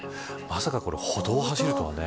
まさか歩道を走るとはね。